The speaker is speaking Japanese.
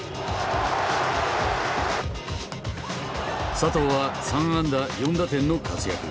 佐藤は３安打４打点の活躍。